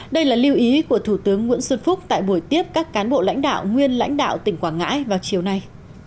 đây là lưu ý của thủ tướng nguyễn xuân phúc tại buổi tiếp các cán bộ lãnh đạo nguyên lãnh đạo tỉnh quảng ngãi vào chiều nay